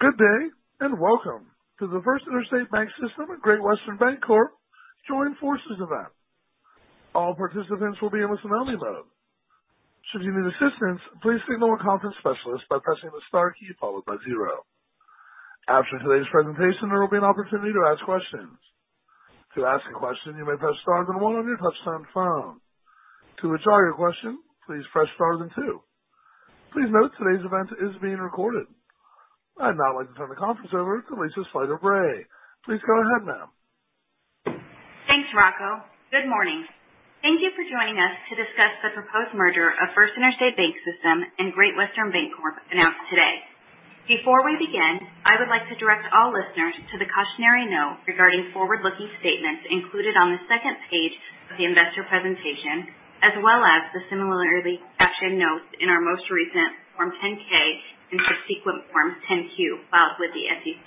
Good day, welcome to the First Interstate BancSystem and Great Western Bancorp joint forces event. All participants will be in listen only mode. Should you need assistance, please signal a conference specialist by pressing the star key followed by zero. After today's presentation, there will be an opportunity to ask questions. To ask a question, you may press star then one on your touchtone phone. To withdraw your question, please press star then two. Please note, today's event is being recorded. I'd now like to turn the conference over to Lisa Slyter-Bray. Please go ahead, ma'am. Thanks, Rocco. Good morning. Thank you for joining us to discuss the proposed merger of First Interstate BancSystem and Great Western Bancorp announced today. Before we begin, I would like to direct all listeners to the cautionary note regarding forward-looking statements included on the second page of the investor presentation, as well as the similarly cautioned notes in our most recent Form 10-K and subsequent Form 10-Q filed with the SEC.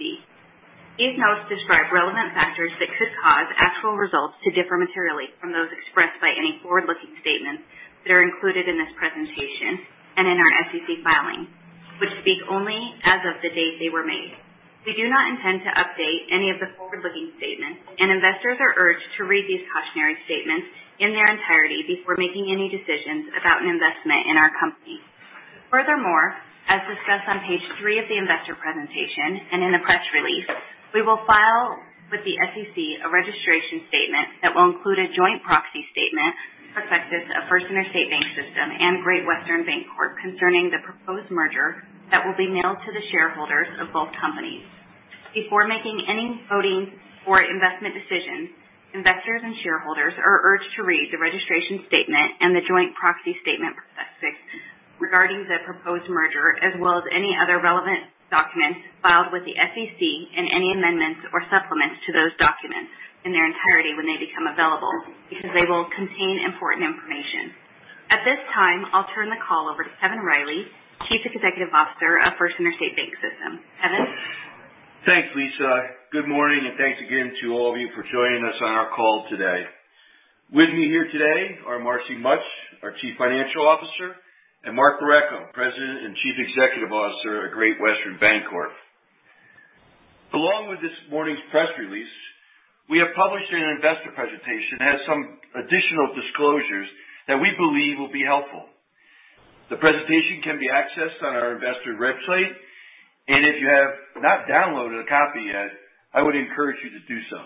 These notes describe relevant factors that could cause actual results to differ materially from those expressed by any forward-looking statements that are included in this presentation and in our SEC filings, which speak only as of the date they were made. We do not intend to update any of the forward-looking statements. Investors are urged to read these cautionary statements in their entirety before making any decisions about an investment in our company. As discussed on page three of the investor presentation and in the press release, we will file with the SEC a registration statement that will include a joint proxy statement/prospectus of First Interstate BancSystem and Great Western Bancorp concerning the proposed merger that will be mailed to the shareholders of both companies. Before making any voting or investment decisions, investors and shareholders are urged to read the registration statement and the joint proxy statement/prospectus regarding the proposed merger as well as any other relevant documents filed with the SEC and any amendments or supplements to those documents in their entirety when they become available, because they will contain important information. At this time, I'll turn the call over to Kevin Riley, Chief Executive Officer of First Interstate BancSystem. Kevin? Thanks, Lisa. Good morning, and thanks again to all of you for joining us on our call today. With me here today are Marcy Mutch, our Chief Financial Officer, and Mark Borrecco, President and Chief Executive Officer of Great Western Bancorp. Along with this morning's press release, we have published an investor presentation that has some additional disclosures that we believe will be helpful. The presentation can be accessed on our investor web page, and if you have not downloaded a copy yet, I would encourage you to do so.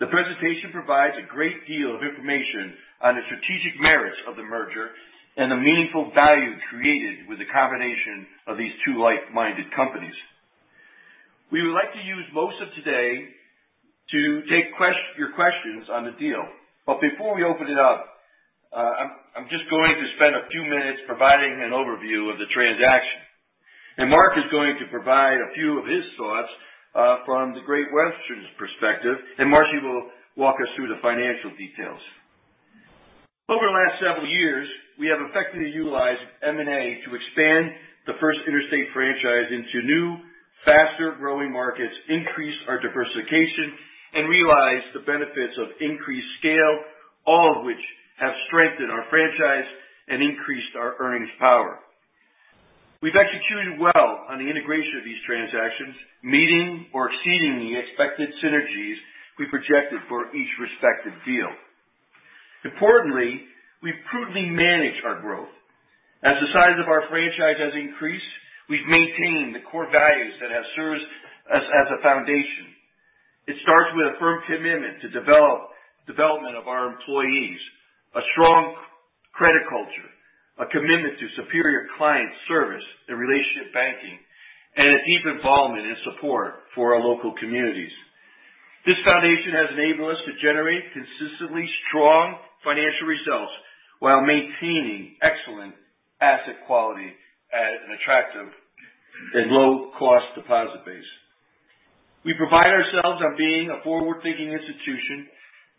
The presentation provides a great deal of information on the strategic merits of the merger and the meaningful value created with the combination of these two like-minded companies. We would like to use most of today to take your questions on the deal. Before we open it up, I'm just going to spend a few minutes providing an overview of the transaction. Mark is going to provide a few of his thoughts from the Great Western's perspective, and Marcy will walk us through the financial details. Over the last several years, we have effectively utilized M&A to expand the First Interstate franchise into new, faster-growing markets, increased our diversification, and realized the benefits of increased scale, all of which have strengthened our franchise and increased our earnings power. We've executed well on the integration of these transactions, meeting or exceeding the expected synergies we projected for each respective deal. Importantly, we've prudently managed our growth. As the size of our franchise has increased, we've maintained the core values that have served us as a foundation. It starts with a firm commitment to development of our employees, a strong credit culture, a commitment to superior client service and relationship banking, and a deep involvement and support for our local communities. This foundation has enabled us to generate consistently strong financial results while maintaining excellent asset quality at an attractive and low cost deposit base. We pride ourselves on being a forward-thinking institution,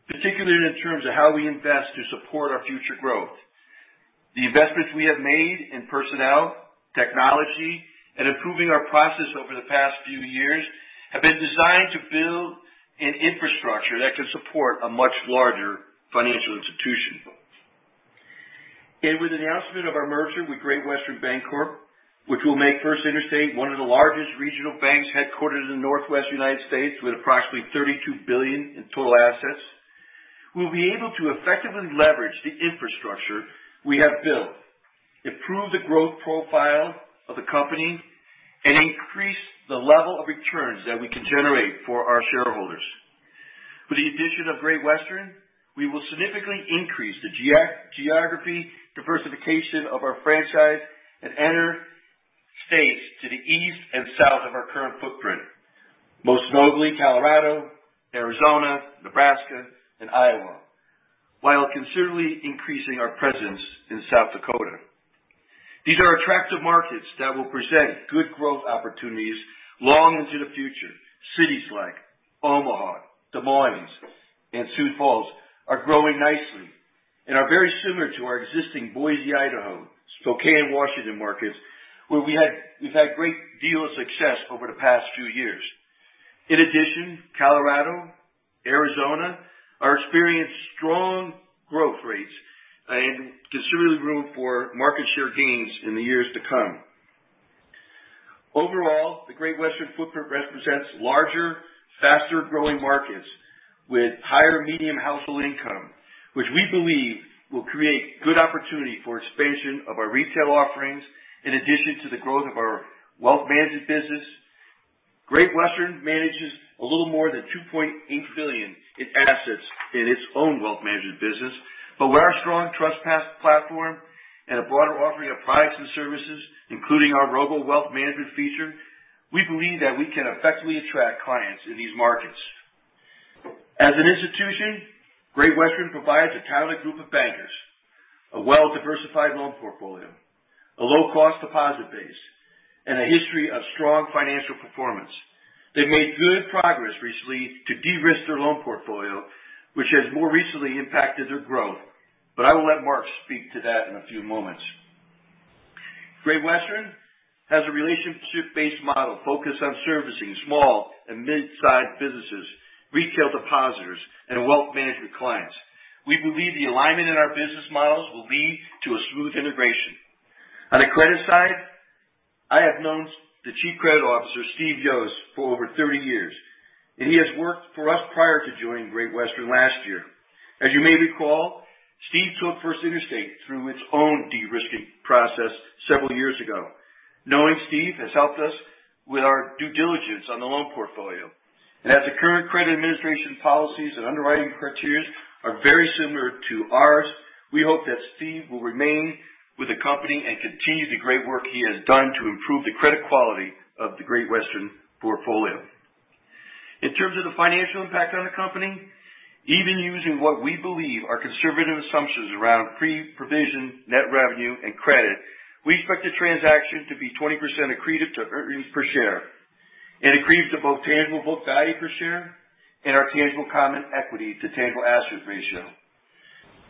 particularly in terms of how we invest to support our future growth. The investments we have made in personnel, technology, and improving our process over the past few years have been designed to build an infrastructure that can support a much larger financial institution. With the announcement of our merger with Great Western Bancorp, which will make First Interstate one of the largest regional banks headquartered in the Northwest United States with approximately $32 billion in total assets, we'll be able to effectively leverage the infrastructure we have built, improve the growth profile of the company, and increase the level of returns that we can generate for our shareholders. With the addition of Great Western, we will significantly increase the geography diversification of our franchise and enter states to the east and south of our current footprint, most notably Colorado, Arizona, Nebraska, and Iowa, while considerably increasing our presence in South Dakota. These are attractive markets that will present good growth opportunities long into the future. Cities like Omaha, Des Moines, and Sioux Falls are growing nicely and are very similar to our existing Boise, Idaho, Spokane, Washington markets, where we've had great deal of success over the past few years. In addition, Colorado, Arizona are experienced strong and considerable room for market share gains in the years to come. Overall, the Great Western footprint represents larger, faster-growing markets with higher medium household income, which we believe will create good opportunity for expansion of our retail offerings, in addition to the growth of our wealth management business. Great Western manages a little more than $2.8 billion in assets in its own wealth management business. With our strong trust platform and a broader offering of products and services, including our robo wealth management feature, we believe that we can effectively attract clients in these markets. As an institution, Great Western provides a talented group of bankers, a well-diversified loan portfolio, a low-cost deposit base, and a history of strong financial performance. They made good progress recently to de-risk their loan portfolio, which has more recently impacted their growth. I will let Mark speak to that in a few moments. Great Western has a relationship-based model focused on servicing small and mid-size businesses, retail depositors, and wealth management clients. We believe the alignment in our business models will lead to a smooth integration. On the credit side, I have known the Chief Credit Officer, Steve Yost, for over 30 years. He has worked for us prior to joining Great Western last year. As you may recall, Steve took First Interstate through its own de-risking process several years ago. Knowing Steve has helped us with our due diligence on the loan portfolio. As the current credit administration policies and underwriting criteria are very similar to ours, we hope that Steve will remain with the company and continue the great work he has done to improve the credit quality of the Great Western portfolio. In terms of the financial impact on the company, even using what we believe are conservative assumptions around pre-provision net revenue and credit, we expect the transaction to be 20% accretive to earnings per share and accretive to both tangible book value per share and our tangible common equity to tangible asset ratio.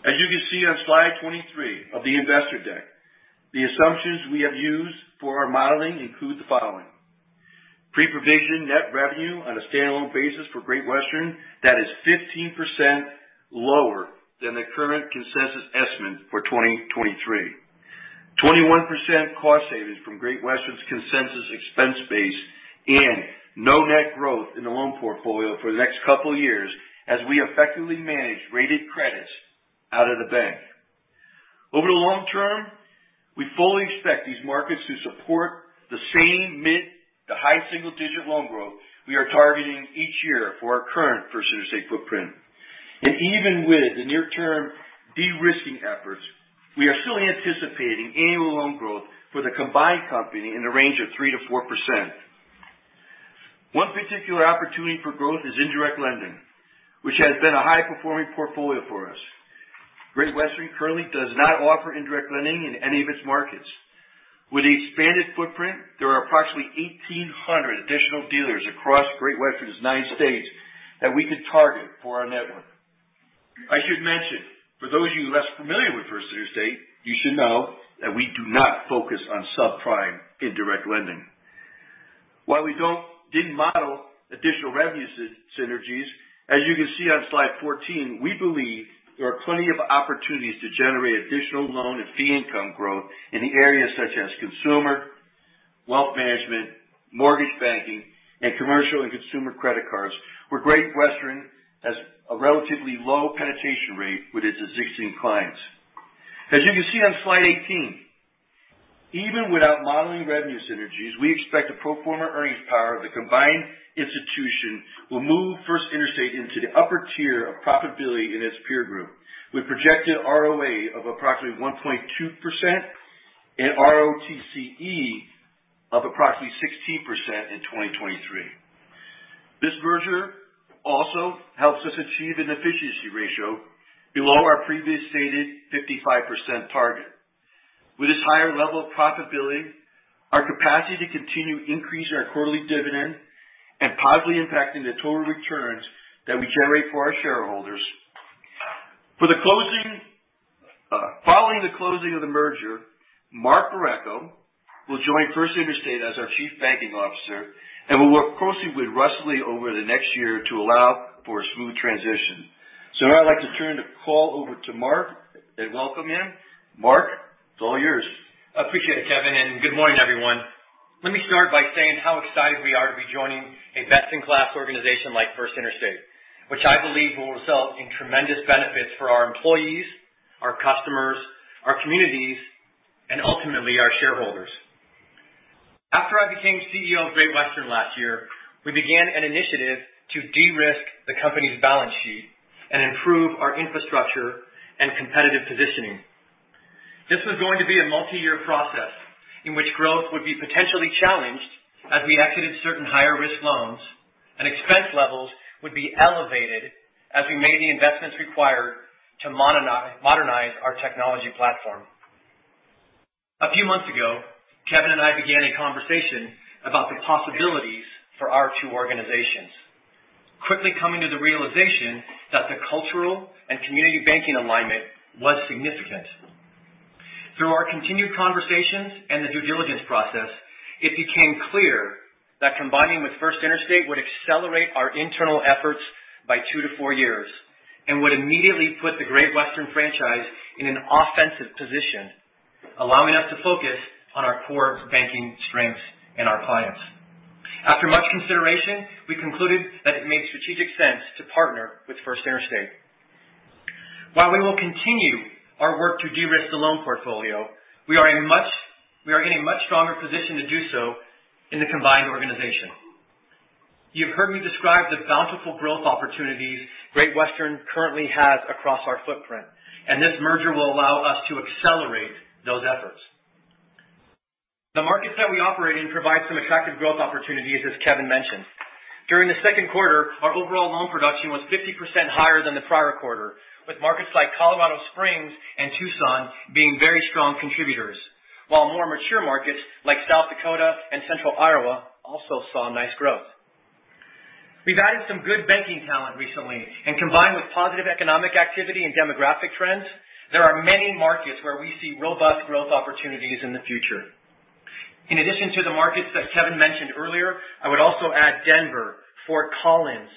As you can see on slide 23 of the investor deck, the assumptions we have used for our modeling include the following. Pre-provision net revenue on a standalone basis for Great Western that is 15% lower than the current consensus estimate for 2023. 21% cost savings from Great Western's consensus expense base in no net growth in the loan portfolio for the next couple of years, as we effectively manage rated credits out of the bank. Over the long term, we fully expect these markets to support the same mid-to-high single-digit loan growth we are targeting each year for our current First Interstate footprint. Even with the near-term de-risking efforts, we are still anticipating annual loan growth for the combined company in the range of 3%-4%. One particular opportunity for growth is indirect lending, which has been a high-performing portfolio for us. Great Western currently does not offer indirect lending in any of its markets. With the expanded footprint, there are approximately 1,800 additional dealers across Great Western's nine states that we could target for our network. I should mention, for those of you less familiar with First Interstate, you should know that we do not focus on subprime indirect lending. While we didn't model additional revenue synergies, as you can see on slide 14, we believe there are plenty of opportunities to generate additional loan and fee income growth in the areas such as consumer wealth management, mortgage banking, and commercial and consumer credit cards, where Great Western has a relatively low penetration rate with its existing clients. As you can see on slide 18, even without modeling revenue synergies, we expect the pro forma earnings power of the combined institution will move First Interstate into the upper tier of profitability in its peer group, with projected ROA of approximately 1.2% and ROTCE of approximately 16% in 2023. This merger also helps us achieve an efficiency ratio below our previous stated 55% target. With this higher level of profitability, our capacity to continue increasing our quarterly dividend and positively impacting the total returns that we generate for our shareholders. Following the closing of the merger, Mark Borrecco will join First Interstate as our Chief Banking Officer and will work closely with Russ Lee over the next year to allow for a smooth transition. Now I'd like to turn the call over to Mark and welcome him. Mark, it's all yours. Appreciate it, Kevin, and good morning, everyone. Let me start by saying how excited we are to be joining a best-in-class organization like First Interstate, which I believe will result in tremendous benefits for our employees, our customers, our communities, and ultimately, our shareholders. After I became CEO of Great Western last year, we began an initiative to de-risk the company's balance sheet and improve our infrastructure and competitive positioning. This was going to be a multi-year process in which growth would be potentially challenged as we exited certain higher-risk loans and expense levels would be elevated as we made the investments required to modernize our technology platform. A few months ago, Kevin and I began a conversation about the possibilities for our two organizations. Quickly coming to the realization that the cultural and community banking alignment was significant. Through our continued conversations and the due diligence process, it became clear that combining with First Interstate would accelerate our internal efforts by two to four years and would immediately put the Great Western franchise in an offensive position, allowing us to focus on our core banking strengths and our clients. After much consideration, we concluded that it made strategic sense to partner with First Interstate. While we will continue our work to de-risk the loan portfolio, we are in a much stronger position to do so in the combined organization. You've heard me describe the bountiful growth opportunities Great Western currently has across our footprint. This merger will allow us to accelerate those efforts. The markets that we operate in provide some attractive growth opportunities, as Kevin mentioned. During the second quarter, our overall loan production was 50% higher than the prior quarter, with markets like Colorado Springs and Tucson being very strong contributors. While more mature markets like South Dakota and Central Iowa also saw nice growth. We've added some good banking talent recently, and combined with positive economic activity and demographic trends, there are many markets where we see robust growth opportunities in the future. In addition to the markets that Kevin mentioned earlier, I would also add Denver, Fort Collins,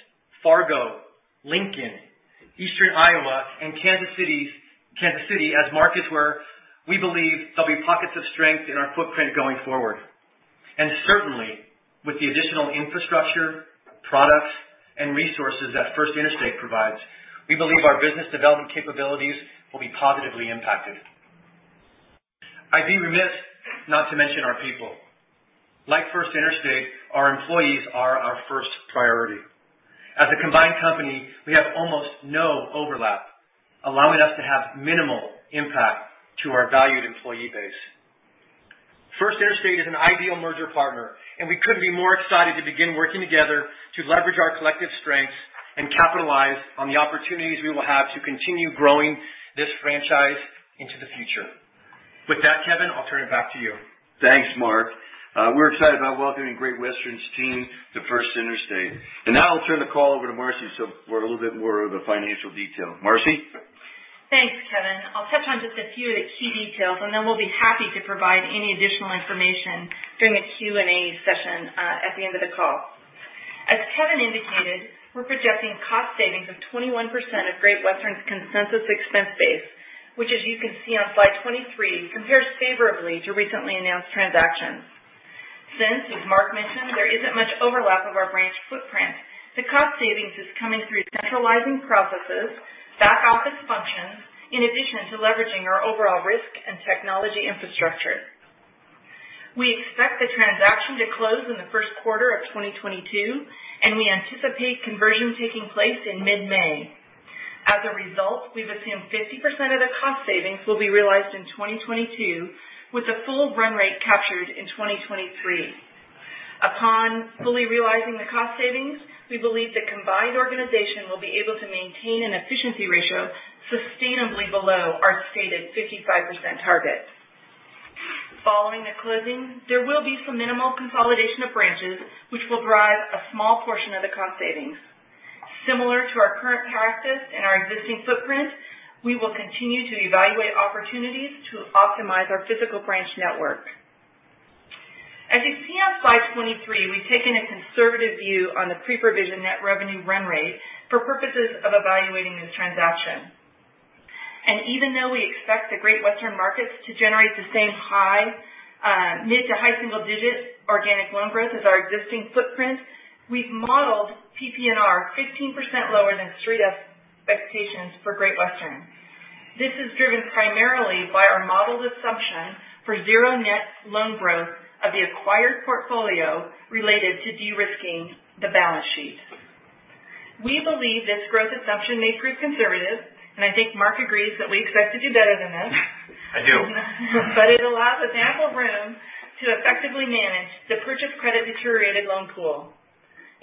Fargo, Lincoln, Eastern Iowa, and Kansas City as markets where we believe there'll be pockets of strength in our footprint going forward. Certainly, with the additional infrastructure, products, and resources that First Interstate provides, we believe our business development capabilities will be positively impacted. I'd be remiss not to mention our people. Like First Interstate, our employees are our first priority. As a combined company, we have almost no overlap, allowing us to have minimal impact to our valued employee base. First Interstate is an ideal merger partner, and we couldn't be more excited to begin working together to leverage our collective strengths and capitalize on the opportunities we will have to continue growing this franchise into the future. With that, Kevin, I'll turn it back to you. Thanks, Mark. We're excited about welcoming Great Western's team to First Interstate. Now I'll turn the call over to Marcy for a little bit more of the financial detail. Marcy? Thanks, Kevin. I'll touch on just a few of the key details, and then we'll be happy to provide any additional information during the Q&A session at the end of the call. As Kevin indicated, we're projecting cost savings of 21% of Great Western's consensus expense base, which, as you can see on slide 23, compares favorably to recently announced transactions. Since, as Mark mentioned, there isn't much overlap of our branch footprint, the cost savings is coming through centralizing processes, back office functions, in addition to leveraging our overall risk and technology infrastructure. We expect the transaction to close in the first quarter of 2022, and we anticipate conversion taking place in mid-May. As a result, we've assumed 50% of the cost savings will be realized in 2022 with the full run rate captured in 2023. Upon fully realizing the cost savings, we believe the combined organization will be able to maintain an efficiency ratio sustainably below our stated 55% target. Following the closing, there will be some minimal consolidation of branches, which will drive a small portion of the cost savings. Similar to our current practice and our existing footprint, we will continue to evaluate opportunities to optimize our physical branch network. As you see on slide 23, we've taken a conservative view on the pre-provision net revenue run rate for purposes of evaluating this transaction. Even though we expect the Great Western markets to generate the same mid to high single digit organic loan growth as our existing footprint, we've modeled PPNR 15% lower than Street expectations for Great Western. This is driven primarily by our modeled assumption for zero net loan growth of the acquired portfolio related to de-risking the balance sheet. We believe this growth assumption may prove conservative, and I think Mark agrees that we expect to do better than this. I do. It allows ample room to effectively manage the purchased credit deteriorated loan pool.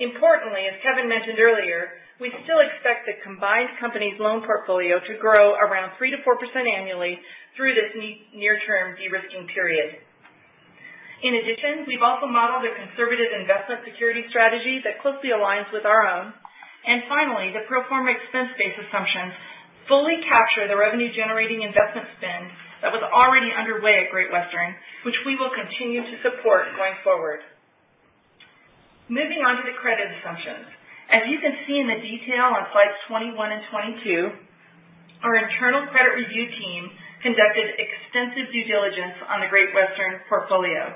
Importantly, as Kevin mentioned earlier, we still expect the combined company's loan portfolio to grow around 3%-4% annually through this near-term de-risking period. In addition, we've also modeled a conservative investment security strategy that closely aligns with our own. Finally, the pro forma expense base assumptions fully capture the revenue generating investment spend that was already underway at Great Western, which we will continue to support going forward. Moving on to the credit assumptions. As you can see in the detail on slides 21 and 22, our internal credit review team conducted extensive due diligence on the Great Western portfolio.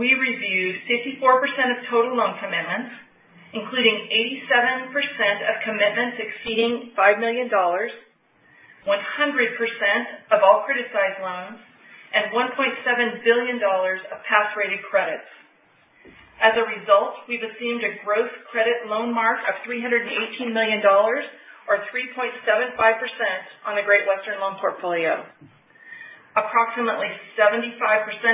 We reviewed 54% of total loan commitments, including 87% of commitments exceeding $5 million, 100% of all criticized loans, and $1.7 billion of pass-rated credits. As a result, we've assumed a gross credit loan mark of $318 million, or 3.75% on the Great Western loan portfolio. Approximately 75%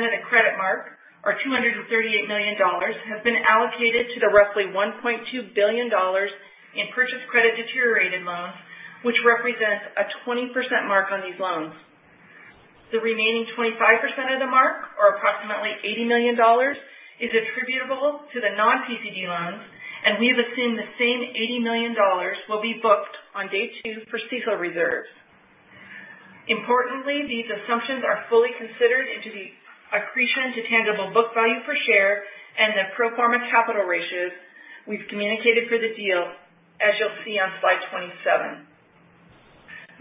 of the credit mark, or $238 million, has been allocated to the roughly $1.2 billion in purchased credit deteriorated loans, which represents a 20% mark on these loans. The remaining 25% of the mark, or approximately $80 million, is attributable to the non-PCD loans, and we've assumed the same $80 million will be booked on day two for CECL reserves. Importantly, these assumptions are fully considered into the accretion to tangible book value per share and the pro forma capital ratios we've communicated for the deal, as you'll see on slide 27.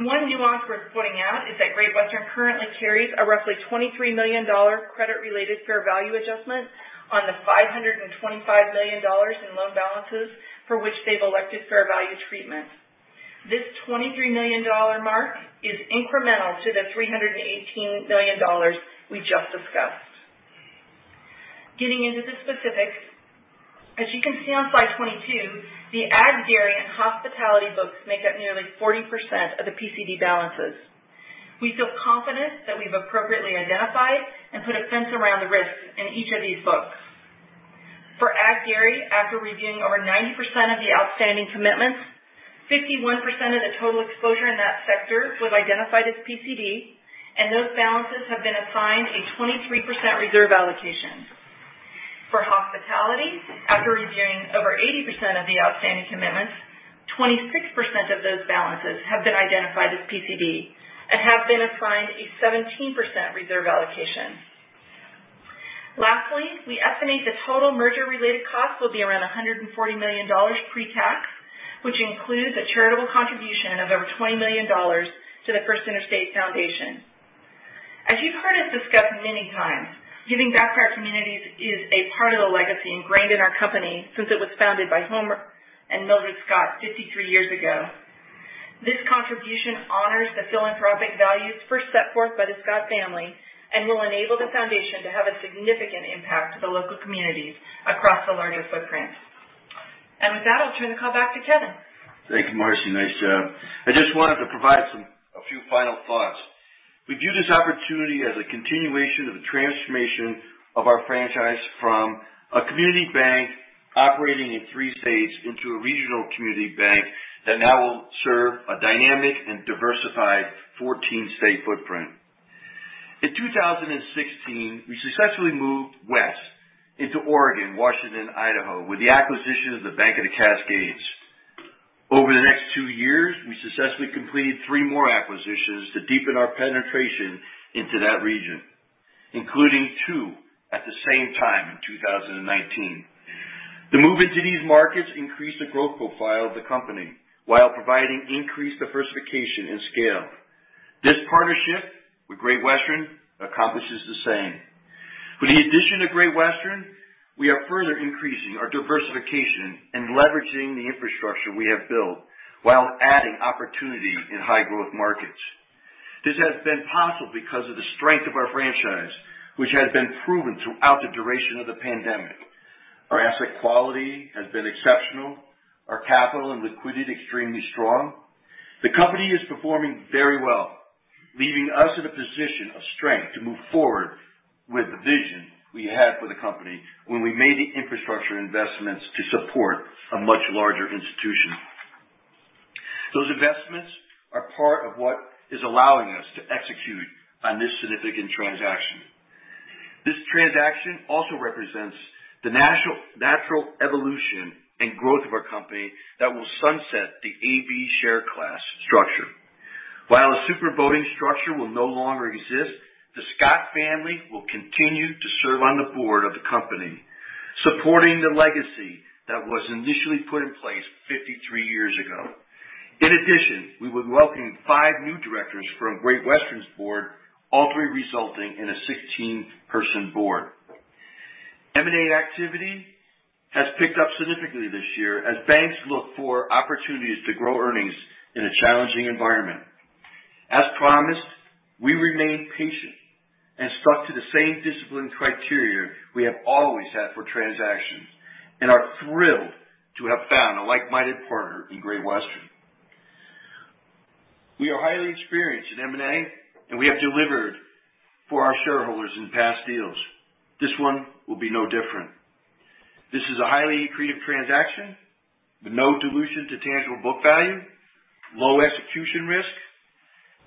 One nuance worth pointing out is that Great Western currently carries a roughly $23 million credit related fair value adjustment on the $525 million in loan balances for which they've elected fair value treatment. This $23 million mark is incremental to the $318 million we just discussed. Getting into the specifics, as you can see on slide 22, the ag/dairy, and hospitality books make up nearly 40% of the PCD balances. We feel confident that we've appropriately identified and put a fence around the risks in each of these books. For ag/dairy, after reviewing over 90% of the outstanding commitments, 51% of the total exposure in that sector was identified as PCD, and those balances have been assigned a 23% reserve allocation. For hospitality, after reviewing over 80% of the outstanding commitments, 26% of those balances have been identified as PCD and have been assigned a 17% reserve allocation. Lastly, we estimate the total merger related cost will be around $140 million pre-tax, which includes a charitable contribution of over $20 million to the First Interstate Foundation. As you've heard us discuss many times, giving back to our communities is a part of the legacy ingrained in our company since it was founded by Homer and Mildred Scott 53 years ago. This contribution honors the philanthropic values first set forth by the Scott family and will enable the foundation to have a significant impact to the local communities across the larger footprints. With that, I'll turn the call back to Kevin. Thank you, Marcy. Nice job. I just wanted to provide a few final thoughts. We view this opportunity as a continuation of the transformation of our franchise from a community bank operating in three states into a regional community bank that now will serve a dynamic and diversified 14-state footprint. In 2016, we successfully moved west into Oregon, Washington, Idaho with the acquisition of the Bank of the Cascades. Over the next two years, we successfully completed three more acquisitions to deepen our penetration into that region, including two at the same time in 2019. The move into these markets increased the growth profile of the company while providing increased diversification and scale. This partnership with Great Western accomplishes the same. With the addition of Great Western, we are further increasing our diversification and leveraging the infrastructure we have built while adding opportunity in high growth markets. This has been possible because of the strength of our franchise, which has been proven throughout the duration of the pandemic. Our asset quality has been exceptional, our capital and liquidity extremely strong. The company is performing very well, leaving us in a position of strength to move forward with the vision we had for the company when we made the infrastructure investments to support a much larger institution. Those investments are part of what is allowing us to execute on this significant transaction. This transaction also represents the natural evolution and growth of our company that will sunset the A/B share class structure. While the super voting structure will no longer exist, the Scott family will continue to serve on the board of the company, supporting the legacy that was initially put in place 53 years ago. In addition, we would welcome five new directors from Great Western's Board, all three resulting in a 16-person Board. M&A activity has picked up significantly this year as banks look for opportunities to grow earnings in a challenging environment. As promised, we remain patient and stuck to the same discipline criteria we have always had for transactions and are thrilled to have found a like-minded partner in Great Western. We are highly experienced in M&A, and we have delivered for our shareholders in past deals. This one will be no different. This is a highly accretive transaction with no dilution to tangible book value, low execution risk,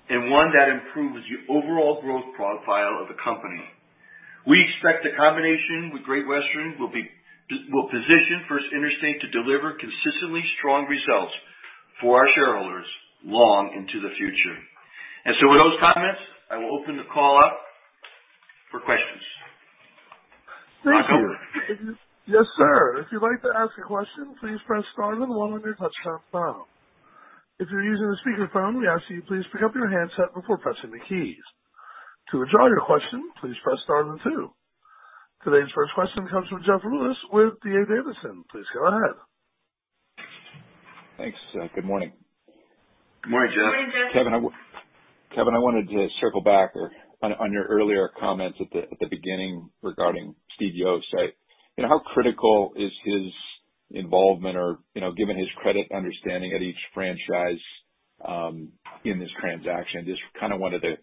and one that improves the overall growth profile of the company. We expect the combination with Great Western will position First Interstate to deliver consistently strong results for our shareholders long into the future. With those comments, I will open the call up for questions. Thank you. Operator? Yes, sir. If you'd like to ask a question, please press star then one on your touch tone phone. If you're using a speaker phone, we ask you, please pick up your handset before pressing the keys. To withdraw your question, please press star then two. Today's first question comes from Jeff Rulis with D.A. Davidson. Please go ahead. Thanks. Good morning. Good morning, Jeff. Good morning, Jeff. Kevin, I wanted to circle back on your earlier comments at the beginning regarding Steve Yost. How critical is his involvement or given his credit understanding at each franchise, in this transaction? Just kind of wanted to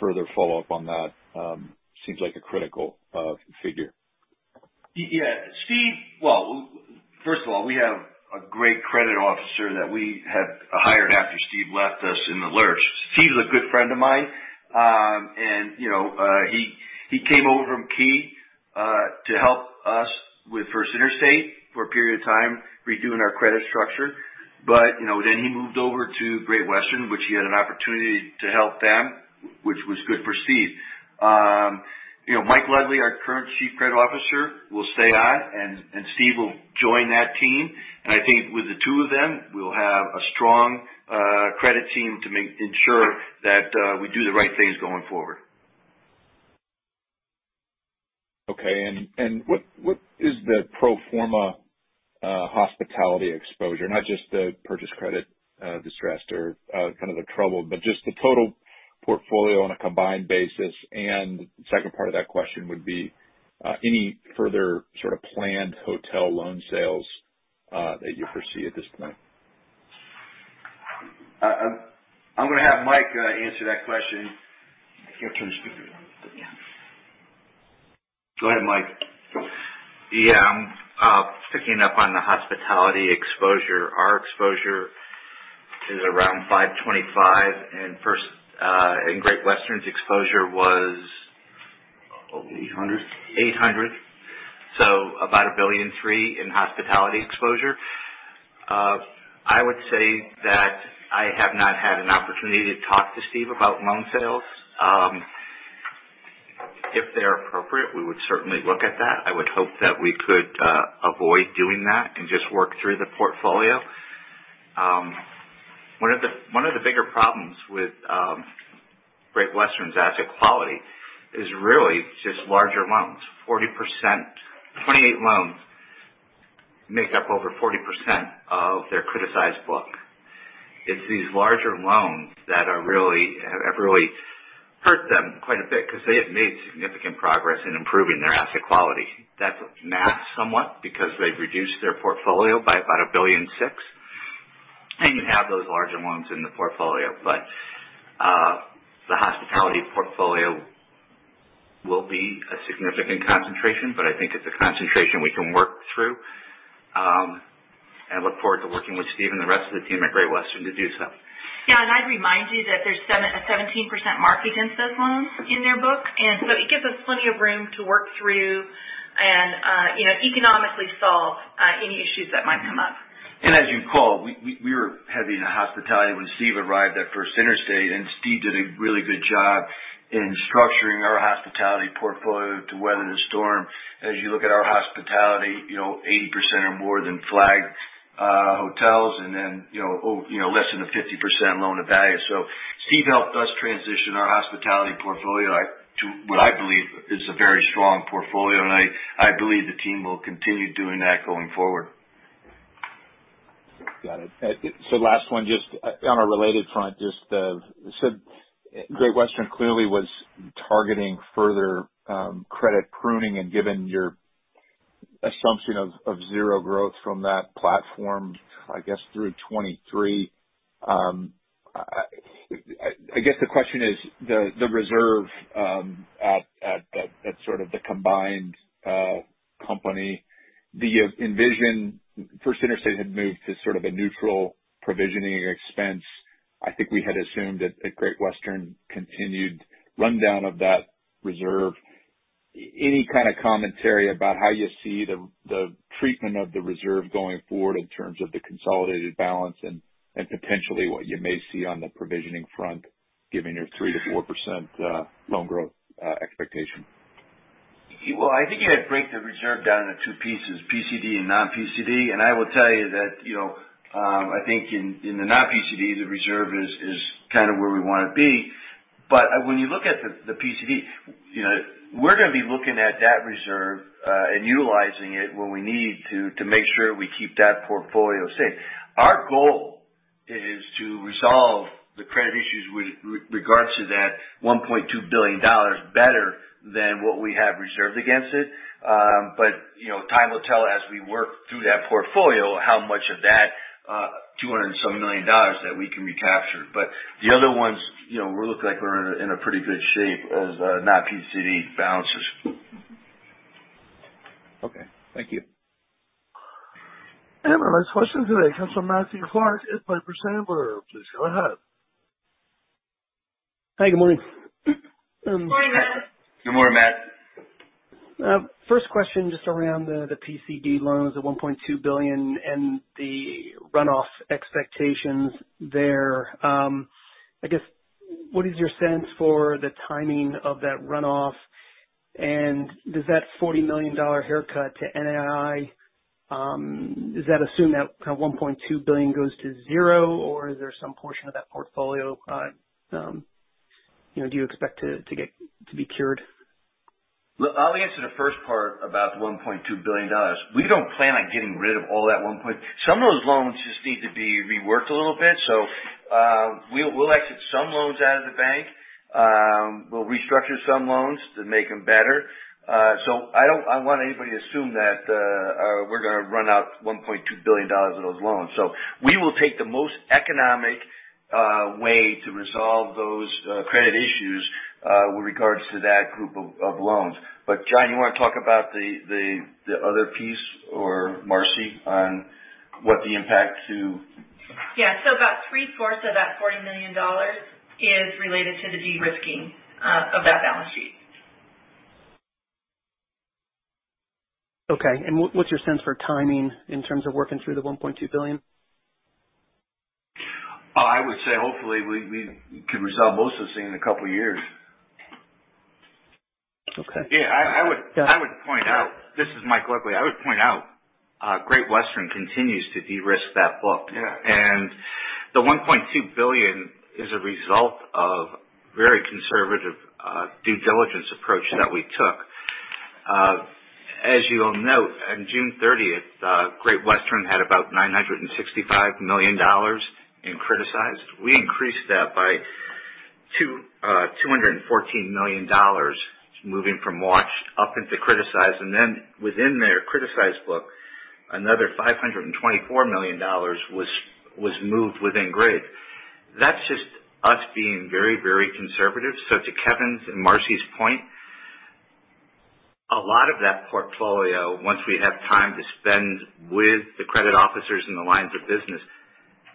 further follow up on that. Seems like a critical figure. Well, first of all, we have a great credit officer that we had hired after Steve left us in the lurch. Steve's a good friend of mine. Okay. He came over from Key to help us with First Interstate for a period of time, redoing our credit structure. He moved over to Great Western, which he had an opportunity to help them, which was good for Steve. Mike Lugli, our current Chief Credit Officer, will stay on, and Steve will join that team. I think with the two of them, we'll have a strong credit team to ensure that we do the right things going forward. Okay. What is the pro forma hospitality exposure? Not just the purchased credit deteriorated or kind of the trouble, but just the total portfolio on a combined basis. The second part of that question would be any further sort of planned hotel loan sales that you foresee at this point. I'm going to have Mike answer that question. You have to turn the speaker on. Yeah. Go ahead, Mike. Yeah. Picking up on the hospitality exposure. Our exposure is around $525, and Great Western's exposure was. Over $800. $800. About $1.3 billion in hospitality exposure. I would say that I have not had an opportunity to talk to Steve about loan sales. If they're appropriate, we would certainly look at that. I would hope that we could avoid doing that and just work through the portfolio. One of the bigger problems with Great Western's asset quality is really just larger loans. 28 loans make up over 40% of their criticized book. It's these larger loans that have really hurt them quite a bit because they have made significant progress in improving their asset quality. That's masked somewhat because they've reduced their portfolio by about $1.6 billion. You have those larger loans in the portfolio. The hospitality portfolio will be a significant concentration, but I think it's a concentration we can work through. Look forward to working with Steve and the rest of the team at Great Western to do so. Yeah. I'd remind you that there's a 17% mark against those loans in their book. It gives us plenty of room to work through and economically solve any issues that might come up. As you call, we were heavy in hospitality when Steve arrived at First Interstate, Steve did a really good job in structuring our hospitality portfolio to weather the storm. As you look at our hospitality, 80% are more than flagged hotels, less than a 50% loan of value. Steve helped us transition our hospitality portfolio to what I believe is a very strong portfolio. I believe the team will continue doing that going forward. Got it. Last one just on a related front. Great Western clearly was targeting further credit pruning and given your assumption of zero growth from that platform, I guess through 2023. I guess the question is the reserve at sort of the combined company. Do you envision First Interstate had moved to sort of a neutral provisioning expense? I think we had assumed that Great Western continued rundown of that reserve. Any kind of commentary about how you see the treatment of the reserve going forward in terms of the consolidated balance and potentially what you may see on the provisioning front given your 3%-4% loan growth expectation? Well, I think you had to break the reserve down into two pieces, PCD and non-PCD. I will tell you that I think in the non-PCD, the reserve is kind of where we want to be. When you look at the PCD, we're going to be looking at that reserve and utilizing it when we need to make sure we keep that portfolio safe. Our goal is to resolve the credit issues with regards to that $1.2 billion better than what we have reserved against it. Time will tell as we work through that portfolio how much of that $200 and some million that we can recapture. The other ones look like we're in a pretty good shape as non-PCD balances. Okay. Thank you. Our next question today comes from Matthew Clark at Piper Sandler. Please go ahead. Hi. Good morning. Morning, Matt. Good morning, Matt. First question, just around the PCD loans, the $1.2 billion, and the runoff expectations there. I guess, what is your sense for the timing of that runoff? Does that $40 million haircut to NII, does that assume that kind of $1.2 billion goes to zero, or is there some portion of that portfolio do you expect to be cured? I'll answer the first part about $1.2 billion. We don't plan on getting rid of all that $1.2 billion. Some of those loans just need to be reworked a little bit. We'll exit some loans out of the bank. We'll restructure some loans to make them better. I don't want anybody to assume that we're going to run out $1.2 billion of those loans. We will take the most economic way to resolve those credit issues with regards to that group of loans. John, you want to talk about the other piece or Marcy on what the impact to- Yeah. about three-fourths of that $40 million is related to the de-risking of that balance sheet. Okay. What's your sense for timing in terms of working through the $1.2 billion? I would say, hopefully, we can resolve most of this thing in a couple of years. Okay. Yeah. This is Mike Lugli. I would point out, Great Western continues to de-risk that book. Yeah. The $1.2 billion is a result of very conservative due diligence approach that we took. As you'll note, on June 30th, Great Western had about $965 million in criticized. We increased that by $214 million, moving from watched up into criticized. Then within their criticized book, another $524 million was moved within grade. That's just us being very conservative. To Kevin's and Marcy's point, a lot of that portfolio, once we have time to spend with the credit officers in the lines of business,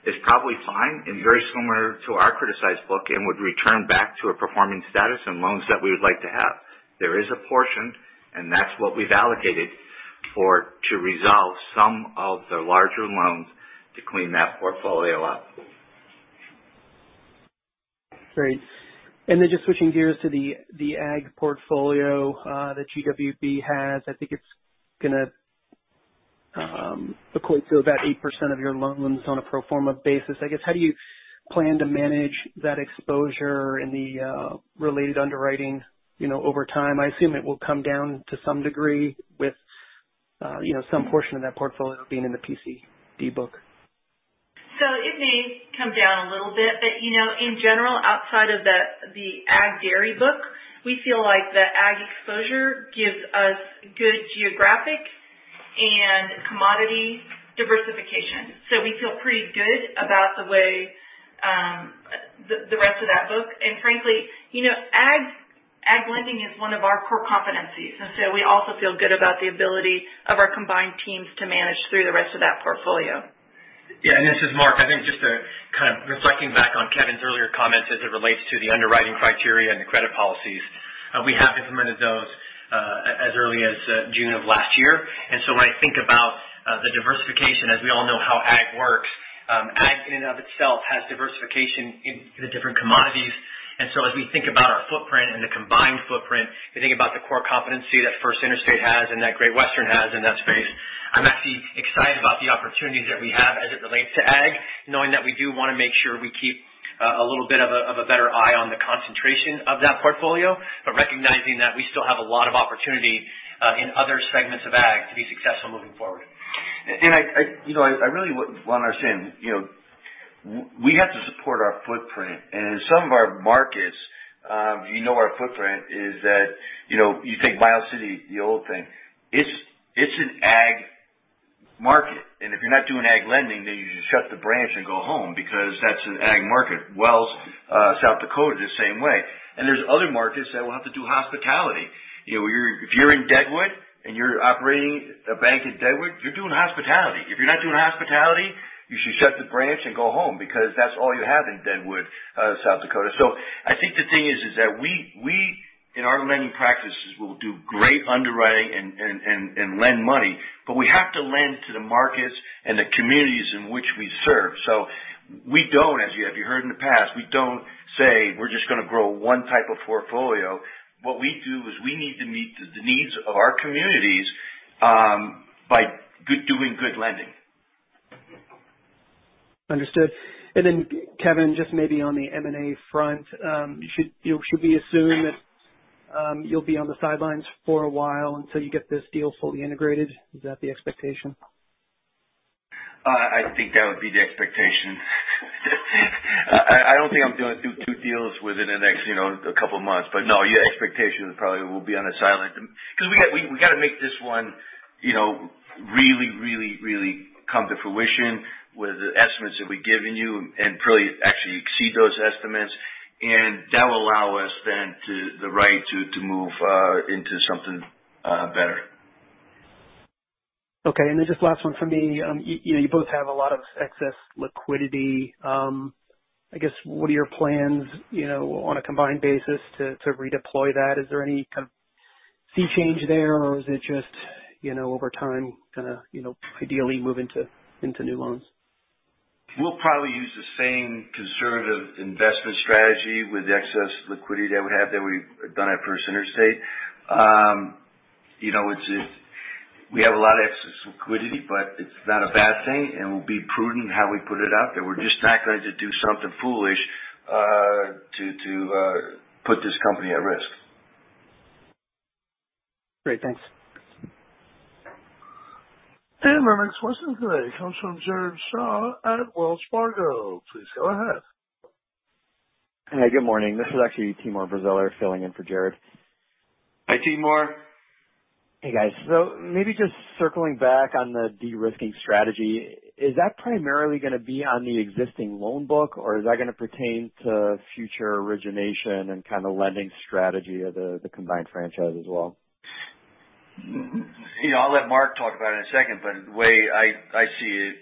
is probably fine and very similar to our criticized book and would return back to a performing status and loans that we would like to have. There is a portion, and that's what we've allocated to resolve some of the larger loans to clean that portfolio up. Great. Just switching gears to the ag portfolio that GWB has. I think it's going to equate to about 8% of your loans on a pro forma basis. How do you plan to manage that exposure and the related underwriting over time? I assume it will come down to some degree with some portion of that portfolio being in the PCD book. It may come down a little bit, but in general, outside of the ag dairy book, we feel like the ag exposure gives us good geographic and commodity diversification. We feel pretty good about the rest of that book. Frankly, ag lending is one of our core competencies. We also feel good about the ability of our combined teams to manage through the rest of that portfolio. Yeah, this is Mark. I think just reflecting back on Kevin's earlier comments as it relates to the underwriting criteria and the credit policies, we have implemented those as early as June of last year. When I think about the diversification, as we all know how ag works, ag in and of itself has diversification in the different commodities. As we think about our footprint and the combined footprint, we think about the core competency that First Interstate has and that Great Western has in that space. I'm actually excited about the opportunities that we have as it relates to ag, knowing that we do want to make sure we keep a little bit of a better eye on the concentration of that portfolio. Recognizing that we still have a lot of opportunity in other segments of ag to be successful moving forward. I really want to understand. We have to support our footprint. In some of our markets, you know our footprint is that you take Miles City, the old thing. It's an ag market. If you're not doing ag lending, then you just shut the branch and go home because that's an ag market. Wall, South Dakota, the same way. There's other markets that will have to do hospitality. If you're in Deadwood and you're operating a bank in Deadwood, you're doing hospitality. If you're not doing hospitality, you should shut the branch and go home because that's all you have in Deadwood, South Dakota. I think the thing is that we, in our lending practices, will do great underwriting and lend money, but we have to lend to the markets and the communities in which we serve. We don't, as you heard in the past, we don't say we're just going to grow one type of portfolio. What we do is we need to meet the needs of our communities by doing good lending. Understood. Kevin, just maybe on the M&A front, should we assume that you'll be on the sidelines for a while until you get this deal fully integrated? Is that the expectation? I think that would be the expectation. I don't think I'm doing two deals within the next couple of months. No, your expectation probably will be because we got to make this one really come to fruition with the estimates that we've given you and probably actually exceed those estimates. That'll allow us then the right to move into something better. Okay. Just last one from me. You both have a lot of excess liquidity. I guess, what are your plans on a combined basis to redeploy that? Is there any kind of sea change there, or is it just over time, ideally move into new loans? We'll probably use the same conservative investment strategy with the excess liquidity that we have that we've done at First Interstate. We have a lot of excess liquidity, but it's not a bad thing, and we'll be prudent how we put it out there. We're just not going to do something foolish to put this company at risk. Great. Thanks. Our next question today comes from Jared Shaw at Wells Fargo. Please go ahead. Hey, good morning. This is actually Timur Braziler filling in for Jared. Hi, Timur. Hey, guys. Maybe just circling back on the de-risking strategy. Is that primarily going to be on the existing loan book, or is that going to pertain to future origination and kind of lending strategy of the combined franchise as well? I'll let Mark talk about it in a second, but the way I see it,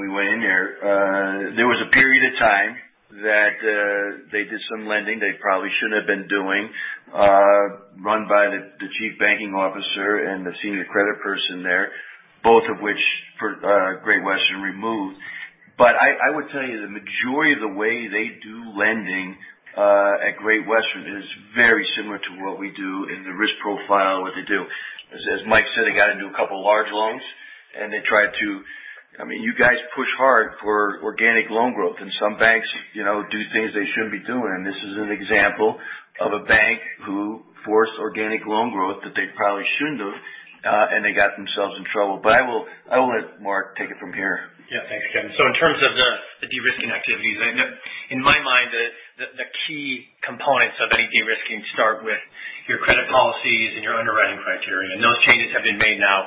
we went in there. There was a period of time that they did some lending they probably shouldn't have been doing, run by the chief banking officer and the senior credit person there, both of which Great Western removed. I would tell you, the majority of the way they do lending at Great Western is very similar to what we do in the risk profile that they do. As Mike said, they got into a couple large loans, and they tried to You guys push hard for organic loan growth. Some banks do things they shouldn't be doing, and this is an example of a bank who forced organic loan growth that they probably shouldn't have, and they got themselves in trouble. I will let Mark take it from here. Thanks, Kevin. In terms of the de-risking activities, in my mind, the key components of any de-risking start with your credit policies and your underwriting criteria. Those changes have been made now,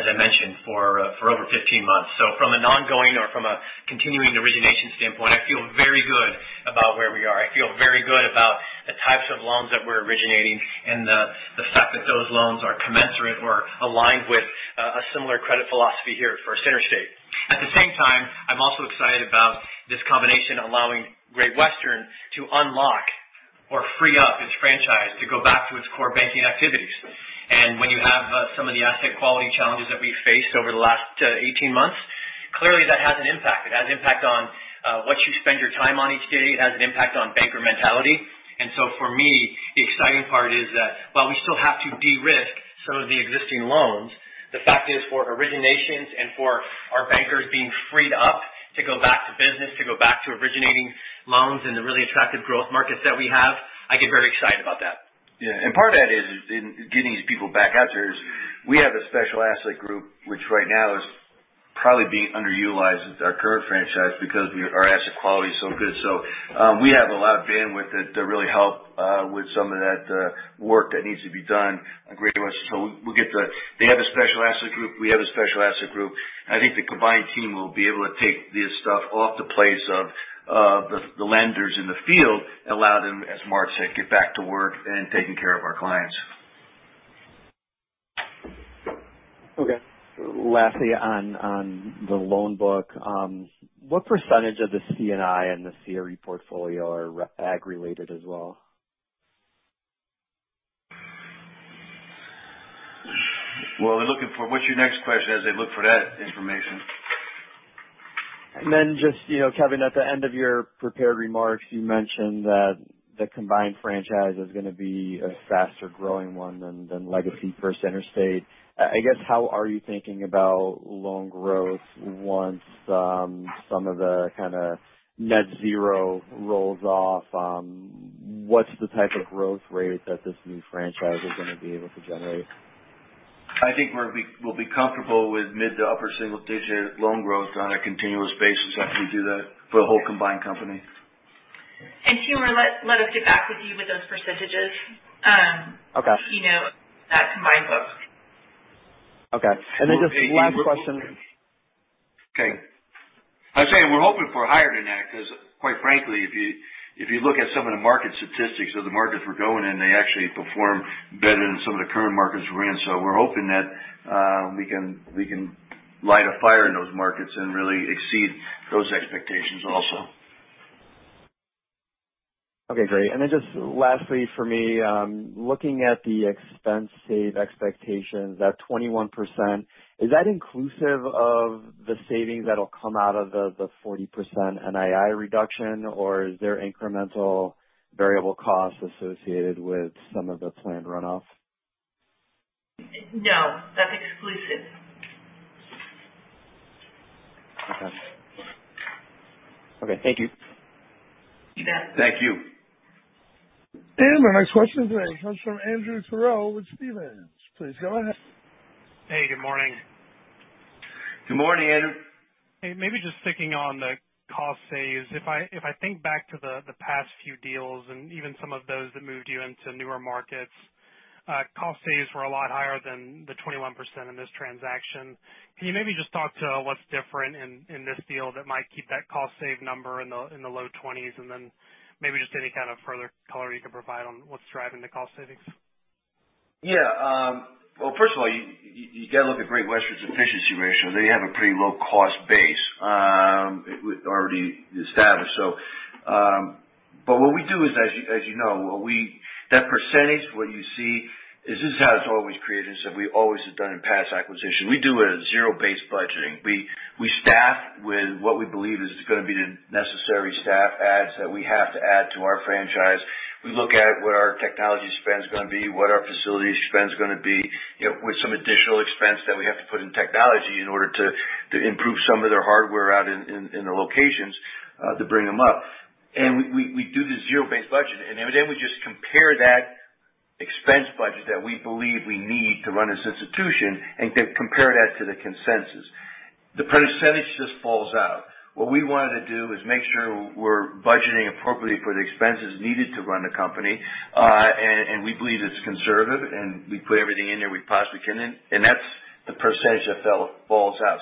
as I mentioned, for over 15 months. From an ongoing or from a continuing origination standpoint, I feel very good about where we are. I feel very good about the types of loans that we're originating and the fact that those loans are commensurate or aligned with a similar credit philosophy here at First Interstate. At the same time, I'm also excited about this combination allowing Great Western to unlock or free up its franchise to go back to its core banking activities. When you have some of the asset quality challenges that we faced over the last 18 months, clearly that has an impact. It has an impact on what you spend your time on each day. It has an impact on banker mentality. For me, the exciting part is that while we still have to de-risk some of the existing loans, the fact is for originations and for our bankers being freed up to go back to business, to go back to originating loans in the really attractive growth markets that we have, I get very excited about that. Yeah. Part of that is in getting these people back out there is we have a special asset group, which right now is probably being underutilized with our current franchise because our asset quality is so good. We have a lot of bandwidth that really help with some of that work that needs to be done at Great Western. They have a special asset group. We have a special asset group. I think the combined team will be able to take this stuff off the plates of the lenders in the field, allow them, as Mark said, get back to work and taking care of our clients. Okay. Lastly, on the loan book, what percentage of the C&I and the CRE portfolio are ag related as well? Well, they're looking for, what's your next question as they look for that information? Just, Kevin, at the end of your prepared remarks, you mentioned that the combined franchise is going to be a faster-growing one than legacy First Interstate. I guess, how are you thinking about loan growth once some of the kind of net zero rolls off? What's the type of growth rate that this new franchise is going to be able to generate? I think we'll be comfortable with mid to upper single digit loan growth on a continuous basis as we do that for the whole combined company. Timur, let us get back with you with those percentages. Okay. That combined book. Okay. Just last question. Okay. I say we're hoping for higher than that because quite frankly, if you look at some of the market statistics of the markets we're going in, they actually perform better than some of the current markets we're in. We're hoping that we can light a fire in those markets and really exceed those expectations also. Okay, great. Just lastly for me, looking at the expense save expectations, that 21%, is that inclusive of the savings that'll come out of the 40% NII reduction, or is there incremental variable costs associated with some of the planned runoff? No, that's exclusive. Okay. Thank you. You bet. Thank you. Our next question today comes from Andrew Terrell with Stephens. Please go ahead. Hey, good morning. Good morning, Andrew. Hey, maybe just sticking on the cost saves. If I think back to the past few deals and even some of those that moved you into newer markets, cost saves were a lot higher than the 21% in this transaction. Can you maybe just talk to what's different in this deal that might keep that cost save number in the low 20s, and then maybe just any kind of further color you can provide on what's driving the cost savings? Yeah. Well, firstly, you got to look at Great Western's efficiency ratio. They have a pretty low cost base already established. What we do is, as you know, that percentage, what you see, this is how it's always created, as we always have done in past acquisitions. We do a zero-based budgeting. We staff with what we believe is going to be the necessary staff adds that we have to add to our franchise. We look at what our technology spend is going to be, what our facilities spend is going to be, with some additional expense that we have to put in technology in order to improve some of their hardware out in the locations to bring them up. We do the zero-based budget, and then we just compare that expense budget that we believe we need to run this institution and compare that to the consensus. The percentage just falls out. What we wanted to do is make sure we're budgeting appropriately for the expenses needed to run the company. We believe it's conservative, and we put everything in there we possibly can. The percentage that falls out.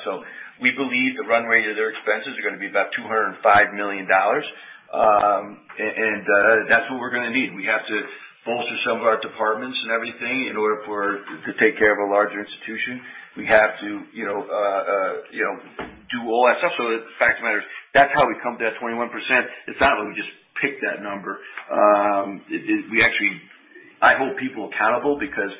We believe the run rate of their expenses are going to be about $205 million. That's what we're going to need. We have to bolster some of our departments and everything in order to take care of a larger institution. We have to do all that stuff. The fact of the matter is, that's how we come to that 21%. It's not like we just picked that number. I hold people accountable because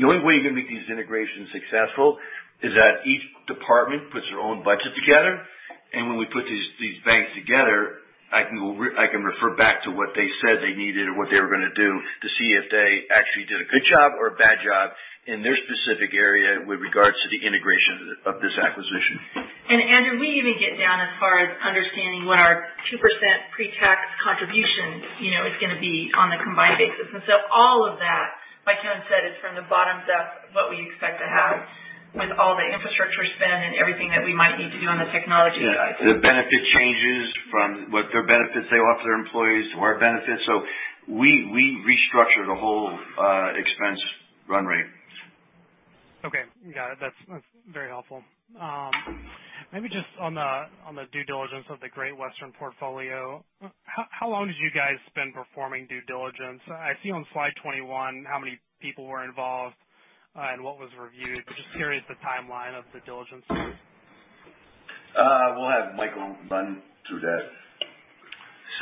the only way you're going to make these integrations successful is that each department puts their own budget together. When we put these banks together, I can refer back to what they said they needed or what they were going to do to see if they actually did a good job or a bad job in their specific area with regards to the integration of this acquisition. Andrew, we even get down as far as understanding what our 2% pre-tax contribution is going to be on the combined basis. All of that, like Kevin said, is from the bottom up, what we expect to have with all the infrastructure spend and everything that we might need to do on the technology side. Yeah. The benefit changes from what benefits they offer their employees to our benefits. We restructured a whole expense run rate. Okay. Got it. That's very helpful. Maybe just on the due diligence of the Great Western portfolio, how long did you guys spend performing due diligence? I see on slide 21 how many people were involved and what was reviewed, just curious the timeline of the due diligence phase. We'll have Michael run through that.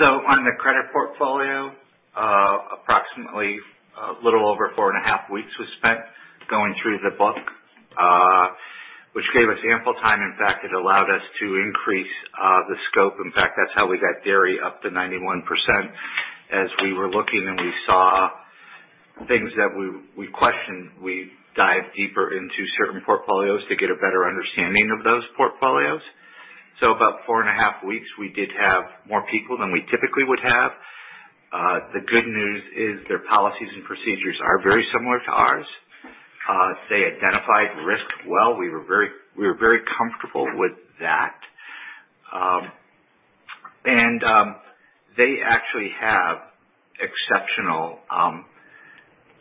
On the credit portfolio, approximately a little over 4.5 weeks was spent going through the book, which gave us ample time. It allowed us to increase the scope. That's how we got dairy up to 91%. As we were looking and we saw things that we questioned, we dived deeper into certain portfolios to get a better understanding of those portfolios. About 4.5 weeks, we did have more people than we typically would have. The good news is their policies and procedures are very similar to ours. They identified risk well. We were very comfortable with that. They actually have exceptional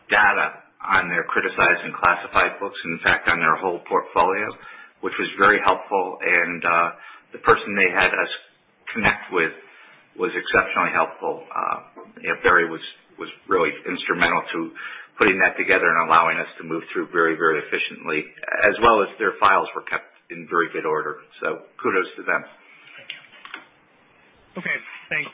data on their criticized and classified books, and in fact, on their whole portfolio, which was very helpful. The person they had us connect with was exceptionally helpful. Barry was really instrumental to putting that together and allowing us to move through very efficiently, as well as their files were kept in very good order. Kudos to them. Okay, thanks.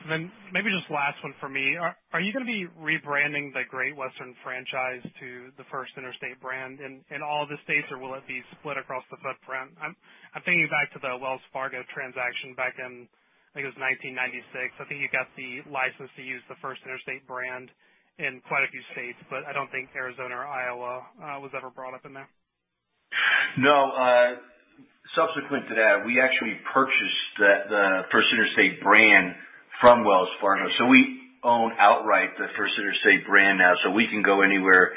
Maybe just last one from me. Are you going to be rebranding the Great Western franchise to the First Interstate brand in all the states or will it be split across the footprint? I'm thinking back to the Wells Fargo transaction back in, I think it was 1996. I think you got the license to use the First Interstate brand in quite a few states, but I don't think Arizona or Iowa was ever brought up in there. No. Subsequent to that, we actually purchased the First Interstate brand from Wells Fargo. We own outright the First Interstate brand now. We can go anywhere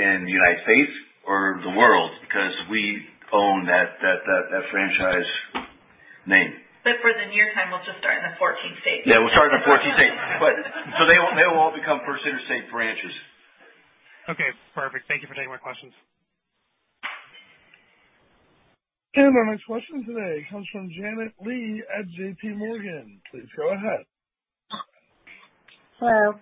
in the United States or the world because we own that franchise name. For the near term, we'll just start in the 14 states. Yeah, we'll start in the 14 states. They will all become First Interstate branches. Okay, perfect. Thank you for taking my questions. Our next question today comes from Janet Lee at JPMorgan. Please go ahead. Hello.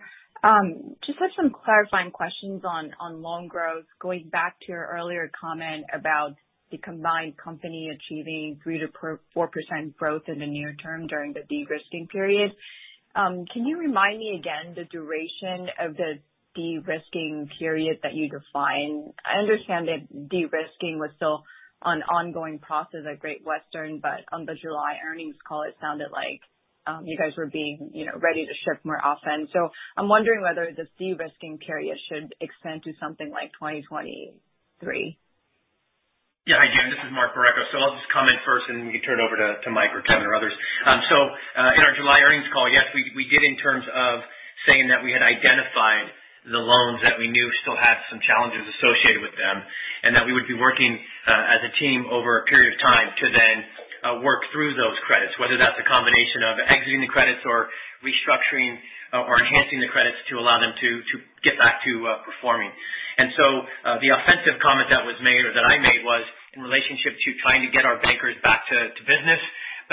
Just had some clarifying questions on loan growth. Going back to your earlier comment about the combined company achieving 3%-4% growth in the near term during the de-risking period. Can you remind me again the duration of the de-risking period that you define? I understand that de-risking was still an ongoing process at Great Western, but on the July earnings call, it sounded like you guys were being ready to shift more often. I'm wondering whether the de-risking period should extend to something like 2023. Hi, Janet. This is Mark Borrecco. I'll just comment first and then we can turn it over to Mike or Kevin or others. In our July earnings call, yes, we did in terms of saying that we had identified the loans that we knew still had some challenges associated with them, and that we would be working as a team over a period of time to then work through those credits, whether that's a combination of exiting the credits or restructuring or enhancing the credits to allow them to get back to performing. The offensive comment that was made or that I made was in relationship to trying to get our bankers back to business,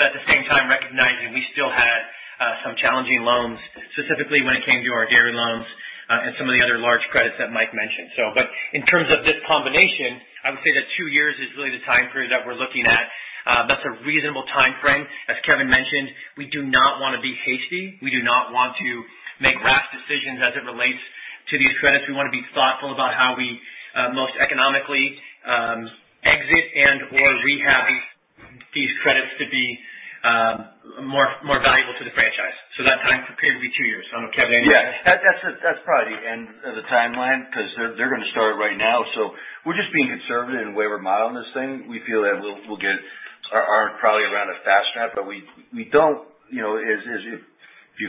but at the same time recognizing we still had some challenging loans, specifically when it came to our dairy loans, and some of the other large credits that Mike mentioned. In terms of this combination, I would say that two years is really the time period that we're looking at. That's a reasonable timeframe. As Kevin mentioned, we do not want to be hasty. We do not want to make rash decisions as it relates to these credits. We want to be thoughtful about how we most economically exit and/or rehab these credits to be more valuable to the franchise. That time period will be two years. I don't know, Kevin. Yeah. That's probably the end of the timeline because they're going to start right now. We're just being conservative in the way we're modeling this thing. We feel that we'll get our arm probably around a fast track, but if you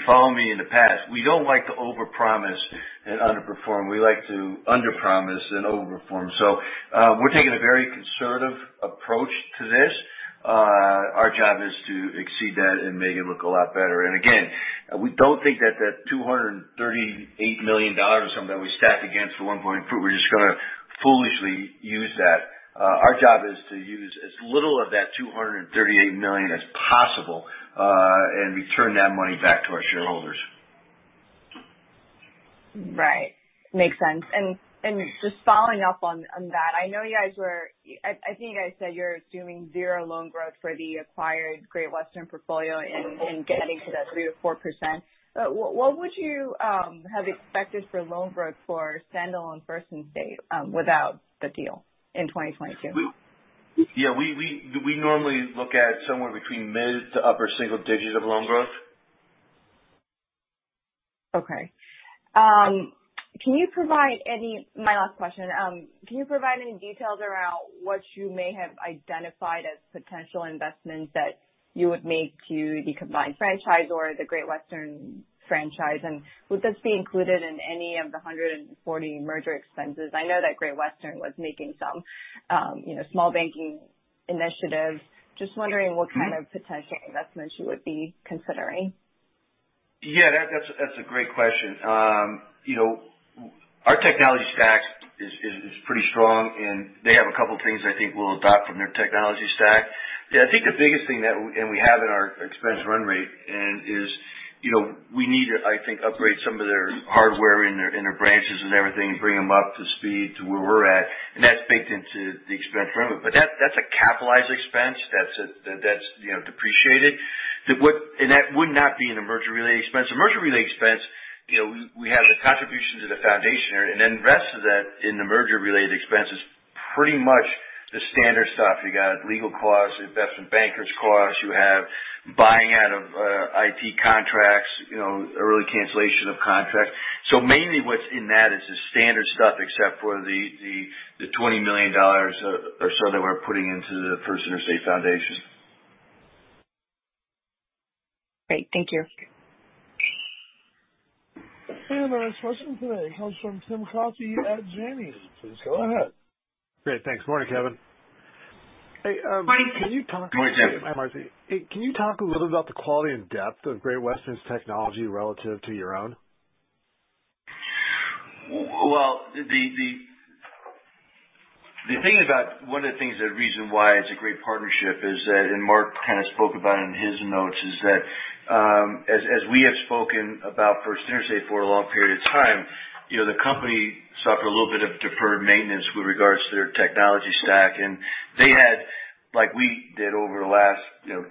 follow me in the past, we don't like to overpromise and underperform. We like to underpromise and overperform. We're taking a very conservative approach to this. Our job is to exceed that and make it look a lot better. Again, we don't think that that $238 million or something that we stacked against at one point, we're just going to foolishly use that. Our job is to use as little of that $238 million as possible and return that money back to our shareholders. Right. Makes sense. Just following up on that, I think you guys said you're assuming zero loan growth for the acquired Great Western portfolio in getting to that 3%-4%. What would you have expected for loan growth for standalone First Interstate without the deal in 2022? Yeah, we normally look at somewhere between mid to upper single digits of loan growth. Okay. My last question. Can you provide any details around what you may have identified as potential investments that you would make to the combined franchise or the Great Western franchise? Would this be included in any of the $140 merger expenses? I know that Great Western was making some small banking initiatives. Just wondering what kind of potential investments you would be considering. Yeah, that's a great question. Our technology stack is pretty strong, and they have a couple things I think we'll adopt from their technology stack. I think the biggest thing that we have in our expense run rate is we need to, I think, upgrade some of their hardware in their branches and everything and bring them up to speed to where we're at. That's baked into the expense run rate. That's a capitalized expense. That's depreciated. That would not be in a merger-related expense. A merger-related expense, we have the contribution to the foundation. The rest of that in the merger-related expense is pretty much the standard stuff. You got legal costs, investment bankers costs. You have buying out of IT contracts, early cancellation of contracts. Mainly what's in that is the standard stuff, except for the $20 million or so that we're putting into the First Interstate Foundation. Great. Thank you. The last question today comes from Tim Coffey at Janney. Please go ahead. Great. Thanks. Morning, Kevin. Morning, Tim. Hey, can you talk a little about the quality and depth of Great Western's technology relative to your own? Well, one of the things, the reason why it's a great partnership is that, Mark kind of spoke about it in his notes, is that as we have spoken about First Interstate for a long period of time, the company suffered a little bit of deferred maintenance with regards to their technology stack. They had, like we did over the last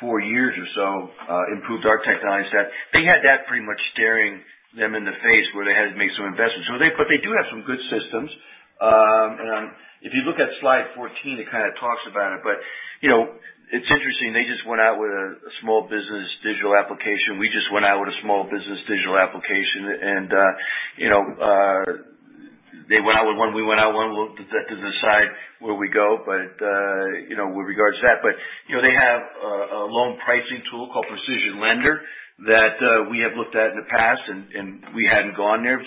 four years or so, improved our technology stack. They had that pretty much staring them in the face where they had to make some investments. They do have some good systems. If you look at slide 14, it kind of talks about it. It's interesting. They just went out with a small business digital application. We just went out with a small business digital application. They went out with one, we went out with one. We'll have to decide where we go with regards to that. They have a loan pricing tool called PrecisionLender that we have looked at in the past, and we hadn't gone there.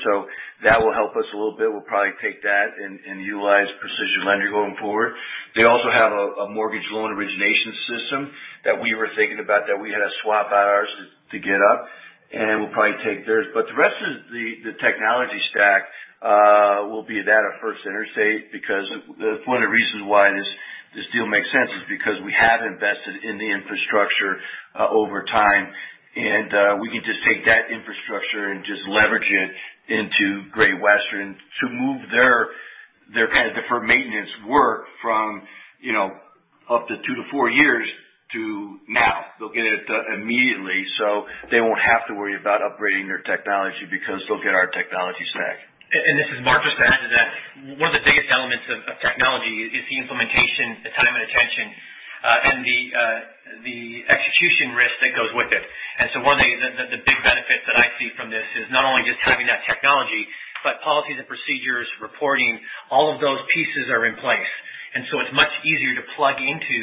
That will help us a little bit. We'll probably take that and utilize PrecisionLender going forward. They also have a mortgage loan origination system that we were thinking about that we had to swap out ours to get up, and we'll probably take theirs. The rest of the technology stack will be that of First Interstate because one of the reasons why this deal makes sense is because we have invested in the infrastructure over time. We can just take that infrastructure and just leverage it into Great Western to move their kind of deferred maintenance work from up to two to four years to now. They'll get it done immediately. They won't have to worry about upgrading their technology because they'll get our technology stack. This is Mark. Just to add to that. One of the biggest elements of technology is the implementation, the time and attention, and the execution risk that goes with it. One of the big benefits that I see from this is not only just having that technology, but policies and procedures, reporting, all of those pieces are in place. It's much easier to plug into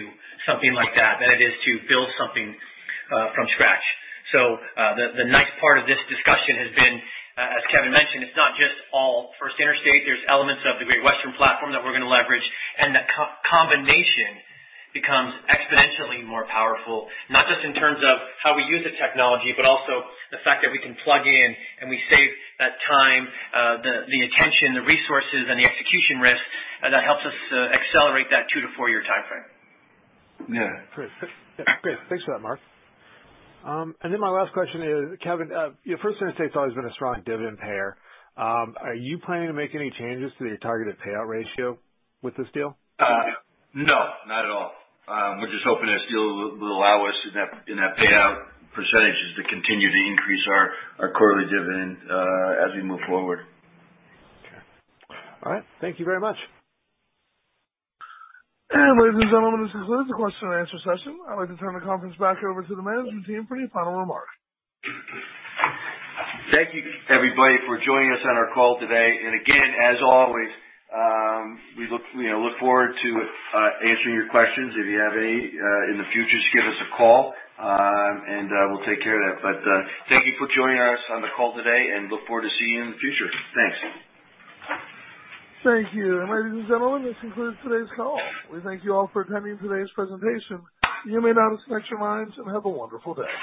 something like that than it is to build something from scratch. The nice part of this discussion has been, as Kevin mentioned, it's not just all First Interstate. There's elements of the Great Western platform that we're going to leverage. That combination becomes exponentially more powerful, not just in terms of how we use the technology, but also the fact that we can plug in and we save that time, the attention, the resources, and the execution risk that helps us accelerate that two to four-year timeframe. Yeah. Great. Thanks for that, Mark. My last question is, Kevin, First Interstate's always been a strong dividend payer. Are you planning to make any changes to your targeted payout ratio with this deal? No, not at all. We're just hoping this deal will allow us in that payout percentage to continue to increase our quarterly dividend as we move forward. Okay. All right. Thank you very much. Ladies and gentlemen, this concludes the question and answer session. I'd like to turn the conference back over to the management team for any final remarks. Thank you everybody for joining us on our call today. Again, as always, we look forward to answering your questions. If you have any in the future, just give us a call, and we'll take care of that. Thank you for joining us on the call today, and look forward to seeing you in the future. Thanks. Thank you. Ladies and gentlemen, this concludes today's call. We thank you all for attending today's presentation. You may now disconnect your lines, and have a wonderful day.